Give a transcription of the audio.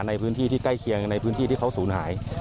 ในพื้นที่ที่ใกล้เคียงในพื้นที่ที่เขาสูญหาย